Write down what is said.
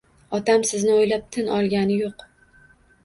Otam sizni o’ylab tin olgani yo’q